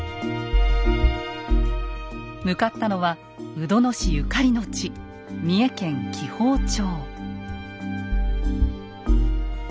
向かったのは鵜殿氏ゆかりの地三重県紀宝町。